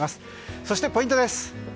そして、ポイントです。